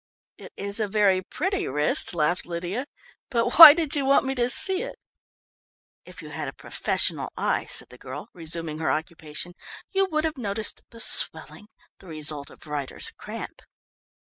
"It is a very pretty wrist," laughed Lydia, "but why did you want me to see it?" "If you had a professional eye," said the girl, resuming her occupation, "you would have noticed the swelling, the result of writers' cramp."